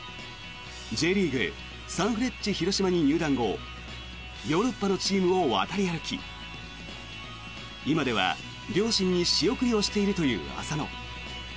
Ｊリーグサンフレッチェ広島に入団後ヨーロッパのチームを渡り歩き今では両親に仕送りをしているという浅野。